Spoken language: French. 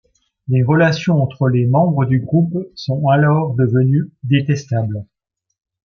Les relations entre les membres du groupe sont alors devenues détestables.